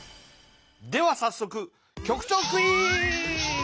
ではさっそく局長クイズ！